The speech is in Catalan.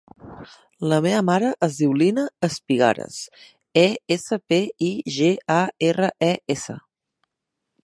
La meva mare es diu Lina Espigares: e, essa, pe, i, ge, a, erra, e, essa.